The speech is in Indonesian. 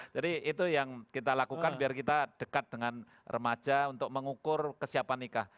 jadi itu yang kita lakukan biar kita dekat dengan remaja untuk mengukur kesiapan nikah